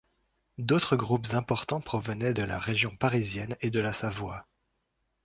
D'autres groupes importants provenaient de la région parisienne et de la Savoie.